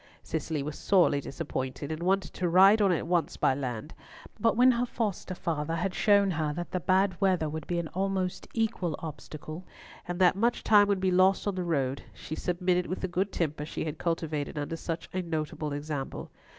Cicely was sorely disappointed, and wanted to ride on at once by land; but when her foster father had shown her that the bad weather would be an almost equal obstacle, and that much time would be lost on the road, she submitted with the good temper she had cultivated under such a notable example.